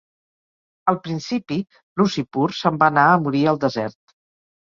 Al principi, Lusiphur se'n va anar a morir al desert.